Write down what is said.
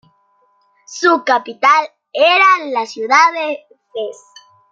Su capital era la ciudad de Fez.